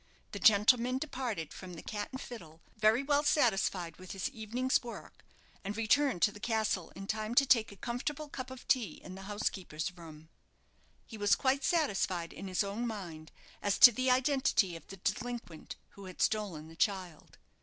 The gentleman departed from the "Cat and Fiddle" very well satisfied with his evening's work, and returned to the castle in time to take a comfortable cup of tea in the housekeeper's room. He was quite satisfied in his own mind as to the identity of the delinquent who had stolen the child.